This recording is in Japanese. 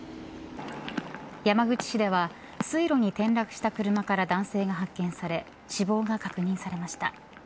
山口市では水路に転落した車から男性が発見され死亡が確認されました。